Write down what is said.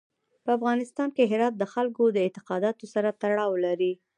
په افغانستان کې هرات د خلکو د اعتقاداتو سره تړاو لري.